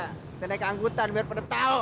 kita naik anggutan biar pada tahu